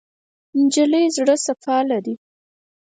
نجلۍ زړه صفا لري.